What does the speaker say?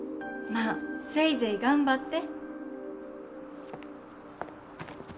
まっせいぜい頑張って。